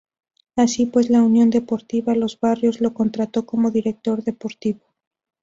Así pues, la Unión Deportiva Los Barrios lo contrató como director deportivo.